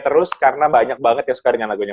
terus karena banyak banget yang suka dengan lagunya